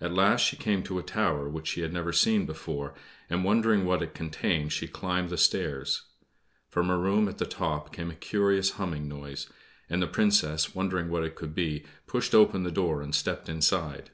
At last she came to a tower which she had never seen before, and, wondering what it contained, she climbed the stairs. From a room at the top came a curious humming noise, and the Princess, wondering what it could be, pushed open the door and stepped inside.